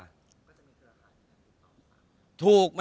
มันจะมีเกี่ยวกันทุกวัน